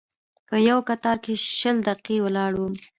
په یوه کتار کې شل دقیقې ولاړ وم.